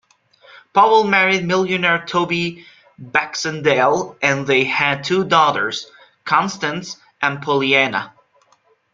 Powell married millionaire Toby Baxendale and they had two daughters, Constance and Pollyanna.